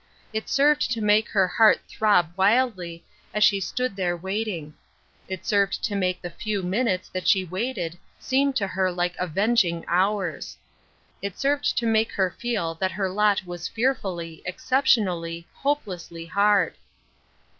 It served to make her heart throb wildly, as she stood there waiting. It served to make the few minutes that she waited seem to her like avenging hoilrs. It served to make her feel that her lot was fearfully, excep tionally, hopelessly hard.